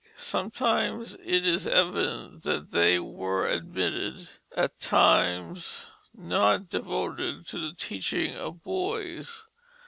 Sometimes it is evident that they were admitted at times not devoted to the teaching of boys.